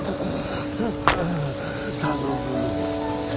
頼む。